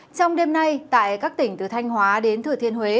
trong đêm nay tại các tỉnh từ thanh hóa đến thừa thiên huế